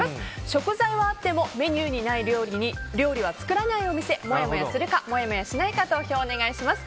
食材はあってもメニューにない料理は作らないお店もやもやするかもやもやしないか投票をお願いします。